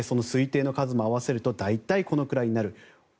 合計推定の数も合わせると大体これぐらいになる。